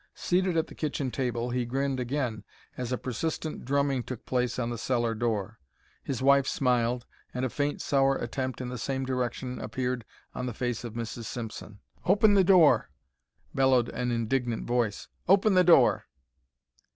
Seated at the kitchen table, he grinned again, as a persistent drumming took place on the cellar door. His wife smiled, and a faint, sour attempt in the same direction appeared on the face of Mrs. Simpson. "Open the door!" bellowed an indignant voice. "Open the door!"